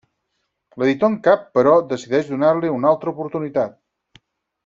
L’editor en cap però decideix donar-li una altra oportunitat.